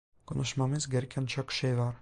Konuşmamız gereken çok şey var.